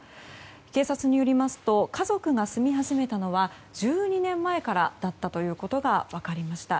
警察によりますと家族が住み始めたのは１２年前からだったということが分かりました。